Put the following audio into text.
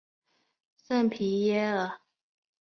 圣皮耶尔。